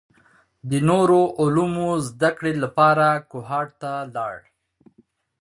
د نورو علومو زده کړې لپاره کوهاټ ته لاړ.